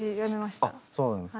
あそうなんです？